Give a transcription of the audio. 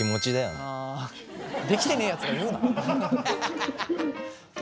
できてねえやつが言うな！